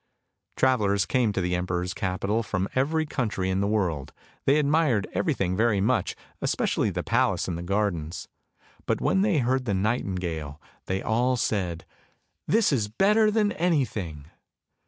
" Travellers came to the emperor's capital, from every country in the world ; they admired everything very much, especially the palace and the gardens, but when they heard the nightingale they all said, " This is better than anything!